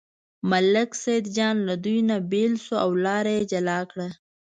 ملک سیدجان له دوی نه بېل شو او لاره یې جلا کړه.